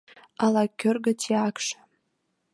Ола кӧргӧ тиякше